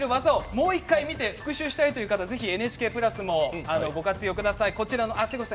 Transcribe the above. もう１回見て復習したい方はＮＨＫプラスもご活用ください。